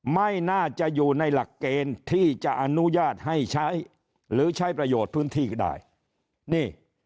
ไม่น่าจะอยู่ในหลักเกณฑ์ที่จะอนุญาตให้ใช้หรือใช้ประโยชน์พื้นที่ได้นี่